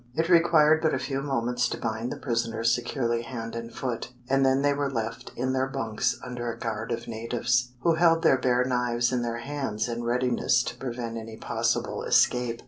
It required but a few moments to bind the prisoners securely hand and foot, and then they were left in their bunks under a guard of natives, who held their bare knives in their hands in readiness to prevent any possible escape.